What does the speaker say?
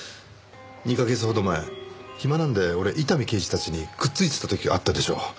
２カ月ほど前暇なんで俺伊丹刑事たちにくっついてた時があったでしょう。